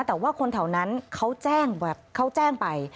แต่ว่าคนแถวนั้นเขาแจ้งแบบเขาแจ้งไป